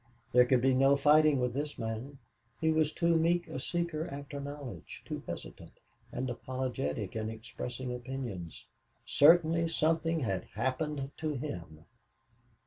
There could be no fighting with this man. He was too meek a seeker after knowledge, too hesitant, and apologetic in expressing opinions. Certainly something had happened to him.